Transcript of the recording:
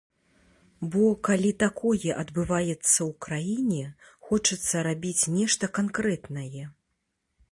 Бо, калі такое адбываецца ў краіне, хочацца рабіць нешта канкрэтнае.